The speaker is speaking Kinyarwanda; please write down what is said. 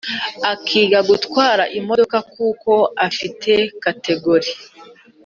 Akiga gutwara imodoka kuko afite category